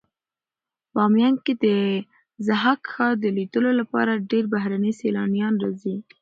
بامیان کې د ضحاک ښار د لیدلو لپاره ډېر بهرني سېلانیان راځي.